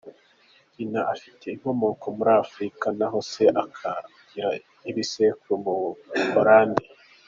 Nyina afite inkomoko muri Afurika naho se akagira ibisekuru mu Buholandi.